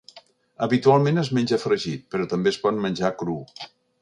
Habitualment es menja fregit, però també es pot menjar cru.